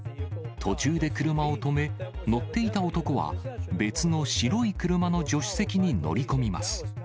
途中で車を止め、乗っていた男は、別の白い車の助手席に乗り込みます。